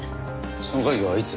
その会議はいつ？